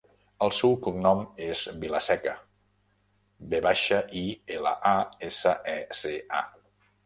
El seu cognom és Vilaseca: ve baixa, i, ela, a, essa, e, ce, a.